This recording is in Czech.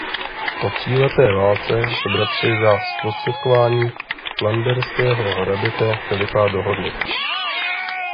Po tříleté válce se bratři za zprostředkování flanderského hraběte Filipa dohodli.